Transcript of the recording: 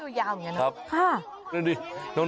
ตัวยามอย่างนี้เนอะ